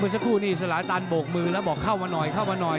เมื่อสักครู่นี่สละตันโบกมือแล้วต้องบอกเข้ามาหน่อย